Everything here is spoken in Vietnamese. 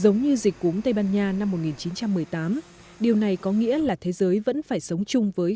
giống như dịch cúng tây ban nha năm một nghìn chín trăm một mươi tám điều này có nghĩa là thế giới vẫn phải sống chung với